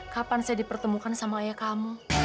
kapan saya dipertemukan sama ayah kamu